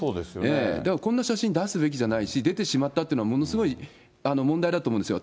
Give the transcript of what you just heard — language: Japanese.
だからこんな写真出すべきじゃないし、出てしまったっていうのはものすごい問題だと思うんですよ。